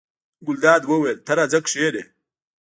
ګلداد وویل: ته راځه کېنه.